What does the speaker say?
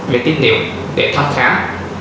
về tích niệm để thăm khám